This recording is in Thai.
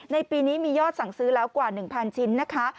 ในปีนี้มียอดสั่งซื้อแล้วกว่า๑๐๐ชิ้นนะคะ